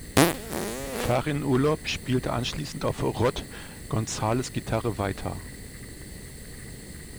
Farin Urlaub spielte anschließend auf Rod González' Gitarre weiter.